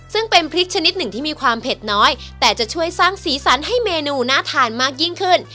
ซึ่งเป็นพริกชนิดหนึ่งที่มีความเผ็ดน้อยแต่จะช่วยสร้างสีสันให้เมนูน่าทานมากยิ่งขึ้น